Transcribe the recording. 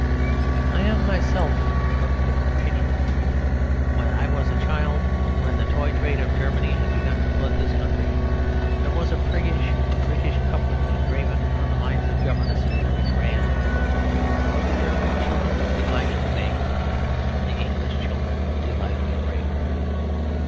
I am myself of a different opinion. When I was a child, when the toy trade of Germany had begun to flood this country, there was a priggish British couplet, engraven on the minds of governesses, which ran What the German children delight to make The English children delight to break.